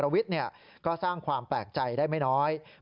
ฝั่งความแปลกใจได้ไม่น้อย